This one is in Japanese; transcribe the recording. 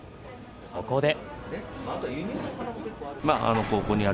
そこで。